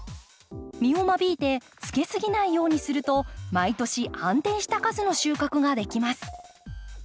実を間引いてつけすぎないようにすると毎年安定した数の収穫ができます。